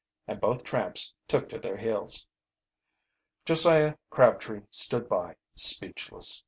And both tramps took to their heels. Josiah Crabtree stood by, speechless.